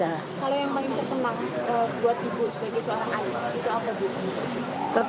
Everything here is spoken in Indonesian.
kalau yang paling berteman buat ibu sebagai seorang anak itu apa bu